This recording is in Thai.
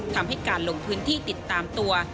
ทำให้การลงพื้นที่ติดตามตัว